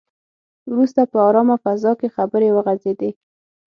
وروسته په ارامه فضا کې خبرې وغځېدې.